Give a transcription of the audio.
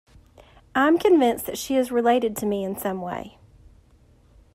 I'm convinced that she is related to me in some way.